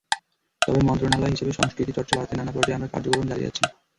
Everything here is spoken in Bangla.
তবে মন্ত্রণালয় হিসেবে সংস্কৃতিচর্চা বাড়াতে নানা পর্যায়ে আমরা কার্যক্রম চালিয়ে যাচ্ছি।